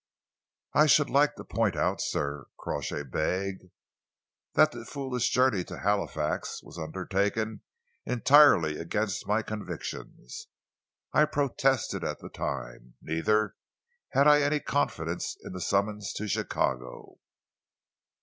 "I should like to point out, sir," Crawshay begged, "that that foolish journey to Halifax was undertaken entirely against my convictions. I protested at the time! Neither had I any confidence in the summons to Chicago."